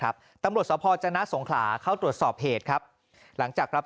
ครับตำรวจสภจนะสงขลาเข้าตรวจสอบเหตุครับหลังจากรับ